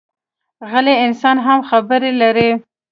غلی انسان هم خبرې لري